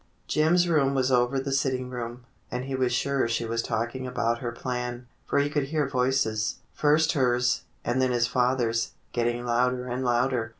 Jim's room was over the sitting room, and he was sure she was talking about her plan, for he could hear voices, first hers, and then his father's, getting louder and louder.